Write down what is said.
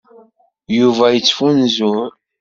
Yuba ad yettfunzur.